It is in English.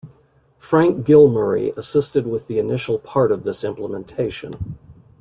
Frank Gilmurray assisted with the initial part of this implementation.